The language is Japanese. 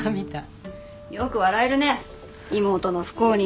よく笑えるね妹の不幸に。